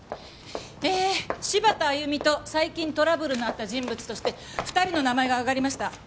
えー柴田亜弓と最近トラブルのあった人物として２人の名前が挙がりました。